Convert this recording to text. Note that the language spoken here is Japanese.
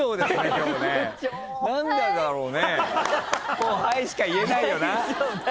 もう「はい」しか言えないよな。